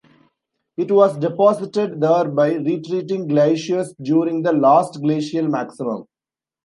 It was deposited there by retreating glaciers during the Last Glacial Maximum.